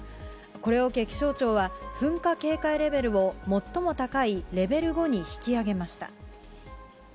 これを受け、気象庁は噴火警戒レベルを最も高いレベル５に引き上げました。